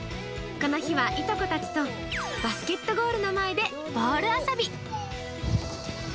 この日はいとこたちとバスケットゴールの前でボール遊び。